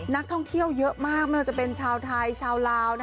นักท่องเที่ยวเยอะมากไม่ว่าจะเป็นชาวไทยชาวลาว